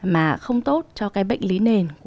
mà không tốt cho cái bệnh lý nền